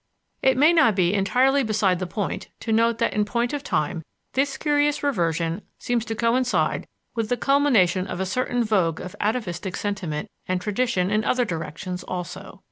It may not be entirely beside the point to note that in point of time this curious reversion seems to coincide with the culmination of a certain vogue of atavistic sentiment and tradition in other directions also.